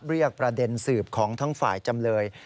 เรียกประเด็นสืบของทั้งฝ่ายจำเลย